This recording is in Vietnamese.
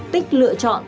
tích lựa chọn